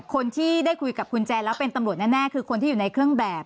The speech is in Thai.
คนที่ได้คุยกับคุณแจนแล้วเป็นตำรวจแน่คือคนที่อยู่ในเครื่องแบบ